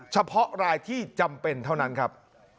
เฉพาะรายที่จำเป็นเท่านั้นครับ